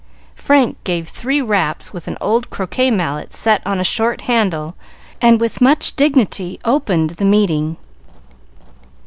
Frank gave three raps with an old croquet mallet set on a short handle, and with much dignity opened the meeting.